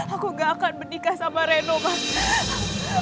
aku gak akan menikah sama reno kan